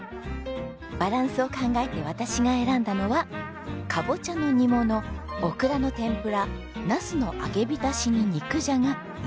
バランスを考えて私が選んだのはカボチャの煮物オクラの天ぷらナスの揚げ浸しに肉じゃが。